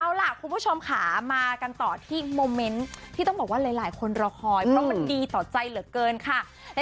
เอาล่ะคุณผู้ชมค่ะมากันต่อที่โมเมนต์ที่ต้องบอกว่าหลายคนรอคอยเพราะมันดีต่อใจเหลือเกินค่ะ